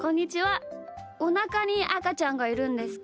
おなかにあかちゃんがいるんですか？